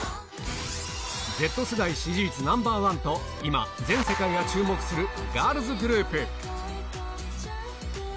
Ｚ世代支持率Ｎｏ．１と今、全世界が注目するガールズグループ。